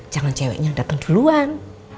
jangan ceweknya datang duluan